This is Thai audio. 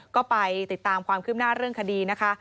ก็ไปติดตามความคืบหน้าเรื่องคดีนะคะ